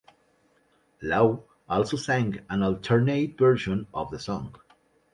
Lau also sang an alternate version of the song.